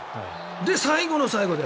最後の最後で。